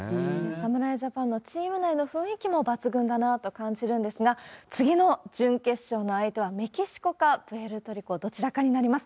侍ジャパンのチーム内の雰囲気も抜群だなと感じるんですが、次の準決勝の相手はメキシコか、プエルトルコか、どちらかになります。